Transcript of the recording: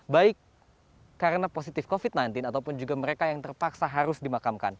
baik karena positif covid sembilan belas ataupun juga mereka yang terpaksa harus dimakamkan